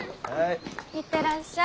行ってらっしゃい。